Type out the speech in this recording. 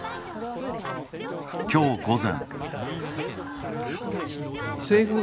きょう午前。